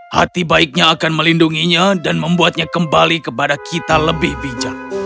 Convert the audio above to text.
hati baiknya akan melindunginya dan membuatnya kembali kepada kita lebih bijak